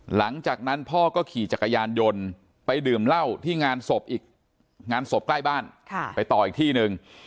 หลังจากนั้นพ่อก็ขี่จักรยานยนต์ไปดื่มเหล้าที่งานศพอีกงานศพใกล้บ้านไปต่ออีกที่หนึ่ง